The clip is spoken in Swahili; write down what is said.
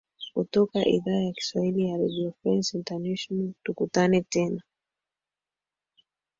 kutoka idhaa ya kiswahili ya redio france international tukutane tena